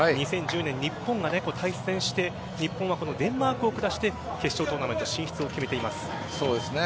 ２０１０年、日本が対戦して日本はデンマークを下して決勝トーナメント進出をそうですね。